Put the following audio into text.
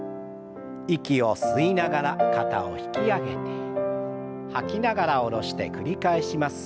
息を吸いながら肩を引き上げて吐きながら下ろして繰り返します。